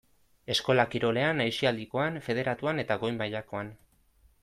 Eskola kirolean, aisialdikoan, federatuan eta goi-mailakoan.